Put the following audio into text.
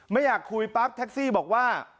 ไม่อยากคุยปั๊บแท็กซี่บอกว่า